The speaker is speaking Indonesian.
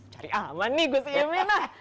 cari aman nih gus imin